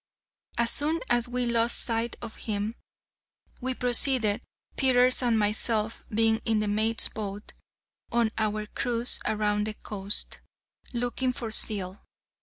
As soon as we lost sight of him we proceeded (Peters and myself being in the mate's boat) on our cruise around the coast, looking for seal.